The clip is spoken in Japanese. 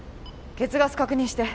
血ガス確認して。